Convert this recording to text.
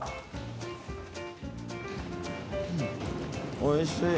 おいしい。